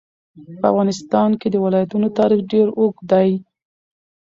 په افغانستان کې د ولایتونو تاریخ ډېر اوږد دی.